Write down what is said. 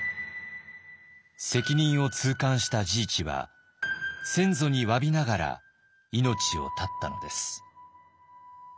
責任を痛感した治一は先祖にわびながら命を絶ったのです。